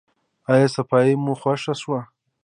ایا صفايي مو خوښه شوه؟